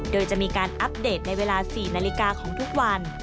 โดยจะมีการอัปเดตในเวลา๔นาฬิกาของทุกวัน